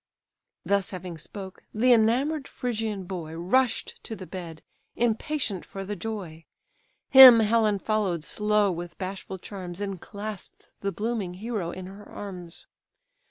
Thus having spoke, the enamour'd Phrygian boy Rush'd to the bed, impatient for the joy. Him Helen follow'd slow with bashful charms, And clasp'd the blooming hero in her arms.